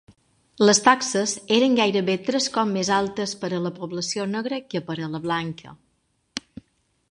Les taxes eren gairebé tres cops més altes per a la població negra que per a la blanca.